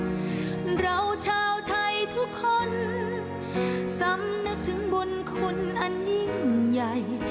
เราชาวไทยทุกคนสำนึกถึงบุญคุณอันยิ่งใหญ่